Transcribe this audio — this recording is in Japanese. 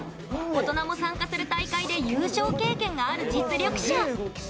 大人も参加する大会で優勝経験がある実力者。